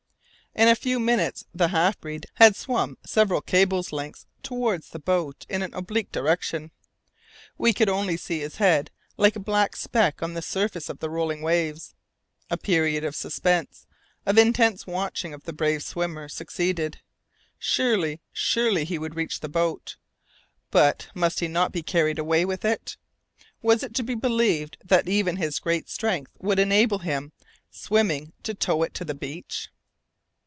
In a few minutes the half breed had swum several cables' lengths towards the boat in an oblique direction. We could only see his head like a black speck on the surface of the rolling waves. A period of suspense, of intense watching of the brave swimmer succeeded. Surely, surely he would reach the boat; but must he not be carried away with it? Was it to be believed that even his great strength would enable him, swimming, to tow it to the beach?